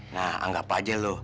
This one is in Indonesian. nah anggap aja lo